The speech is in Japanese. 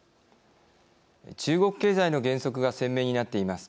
中国経済の減速が鮮明になっています。